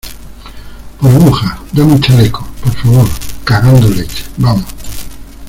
burbuja, dame un chaleco , por favor. cagando leches , vamos .